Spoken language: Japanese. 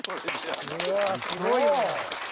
うわぁすごいね。